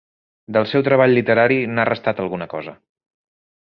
Del seu treball literari, n'ha restat alguna cosa.